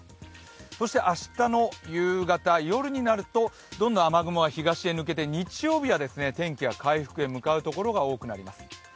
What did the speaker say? そして明日の夕方、夜になるとどんどん雨雲は東に抜けて日曜日は天気は回復へ向かうところが多くなります。